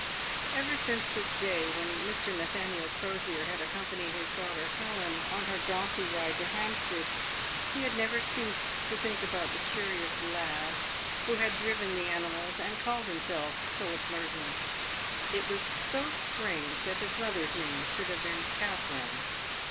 Ever since the day when Mr. Nathaniel Crosier had accompanied his daughter Helen on her donkey ride to Hampstead, he had never ceased to think about the curious lad who had driven the ani .mals, and called himself Philip Merton. It was so strange that his mother's name should have been Katherine.